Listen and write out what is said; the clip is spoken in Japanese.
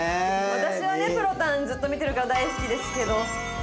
私はねぷろたんずっと見てるから大好きですけど。